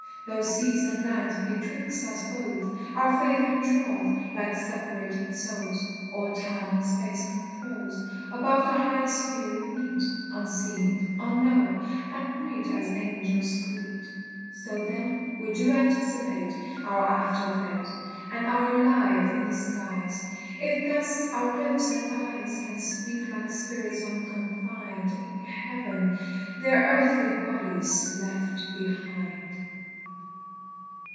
Though seas and lands be 'twixt us both, Our faith and troth, Like separated souls, All time and space controls: Above the highest sphere we meet, Unseen, unknown; and greet as angels greet. So, then, we do anticipate Our after fate, And are alive i' the skies, If thus our lips and eyes Can speak like spirits unconfined In heaven, their earthly bodies left behind.